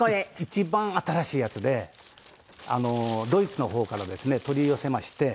一番新しいやつでドイツの方からですね取り寄せまして。